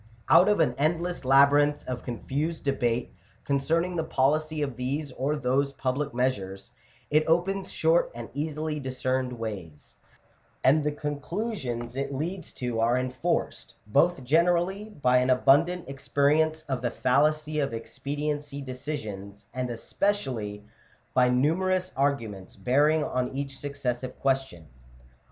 Oat of an endless labyrinth of con fused debate concerning the policy of these or those public measures, it opens short and easily discerned ways; and the conclusions it leads to are enforced, both generally, by an abundant experience of the fallacy of expediency decisions* and specially, by numerous arguments bearing on each succes sive question.